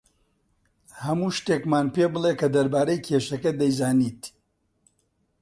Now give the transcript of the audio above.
هەموو شتێکمان پێ بڵێ کە دەربارەی کێشەکە دەیزانیت.